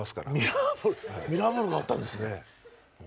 ミラーボールがあったんですね。